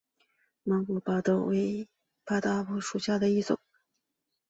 毛果巴豆为大戟科巴豆属下的一个种。